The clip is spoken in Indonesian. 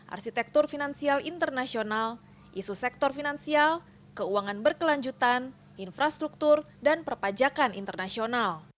arsitektur finansial internasional isu sektor finansial keuangan berkelanjutan infrastruktur dan perpajakan internasional